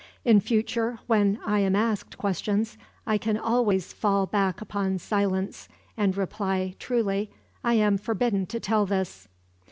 In future, when I am asked questions, I can always fall back upon silence and reply, truly, 'I am forbidden to tell this.'"